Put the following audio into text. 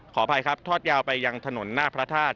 ขออภัยครับทอดยาวไปยังถนนหน้าพระธาตุ